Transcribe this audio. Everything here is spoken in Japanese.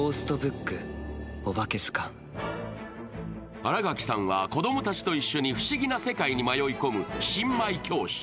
新垣さんは子供たちと一緒に不思議な世界に迷い込む新米教師。